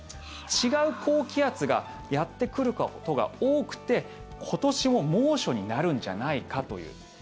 違う高気圧がやってくることが多くて今年も猛暑になるんじゃないかという。